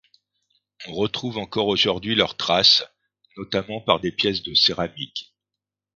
On retrouve encore aujourd’hui leurs traces notamment par des pièces de céramiques.